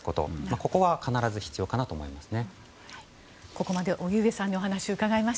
ここは必ず必要だと思います。